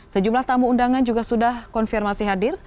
sejumlah tamu undangan juga sudah konfirmasi hadir